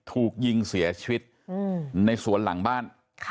ถูกยิงเสียชีวิตในสวนหลังบ้าน